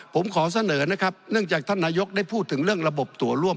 ผมขอเสนอนะครับเนื่องจากท่านนายกได้พูดถึงเรื่องระบบตัวร่วม